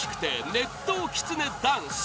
熱湯きつねダンス！